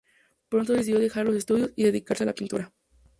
Pronto decidió dejar los estudios y dedicarse a la pintura.